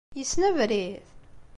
Yessen abrid?